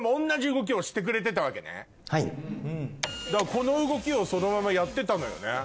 この動きをそのままやってたのよね？